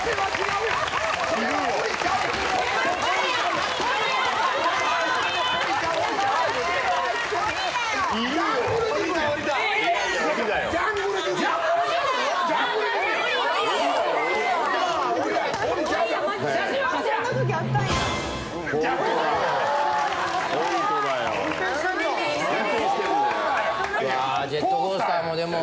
うわジェットコースターもでも。